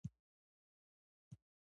مړه ته د زړه له تله دعا لازم ده